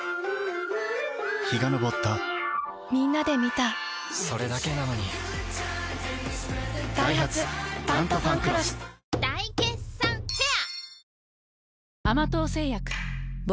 陽が昇ったみんなで観たそれだけなのにダイハツ「タントファンクロス」大決算フェア